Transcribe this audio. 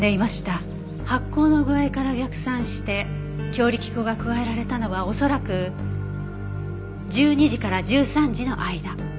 発酵の具合から逆算して強力粉が加えられたのは恐らく１２時から１３時の間。